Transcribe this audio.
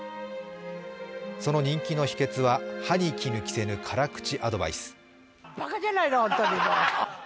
その人気の秘けつは歯に衣着せぬ辛口アドバイス。